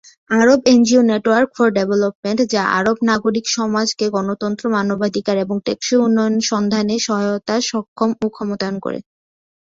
Arab NGO network for development, যা আরব নাগরিক সমাজকে গণতন্ত্র, মানবাধিকার এবং টেকসই উন্নয়নের সন্ধানে সহায়তা, সক্ষম ও ক্ষমতায়ন করে।